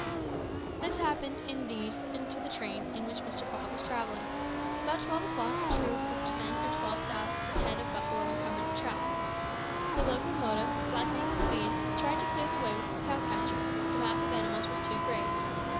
This happened, indeed, to the train in which Mr. Fogg was travelling. About twelve o'clock a troop of ten or twelve thousand head of buffalo encumbered the track. The locomotive, slackening its speed, tried to clear the way with its cow catcher; but the mass of animals was too great.